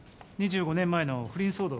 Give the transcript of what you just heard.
２５年前の不倫騒動が。